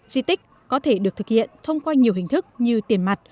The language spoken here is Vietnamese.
di tích có thể được thực hiện thông qua nhiều hình thức như tiền mặt